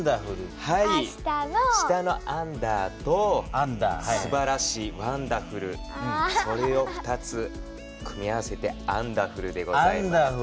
下の「アンダー」とすばらしい「ワンダフル」それを２つ組み合わせて「アンダフル」でございます。